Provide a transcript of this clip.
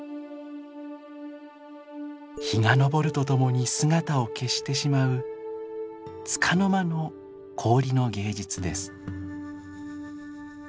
日が昇るとともに姿を消してしまうつかの間の氷の芸術です。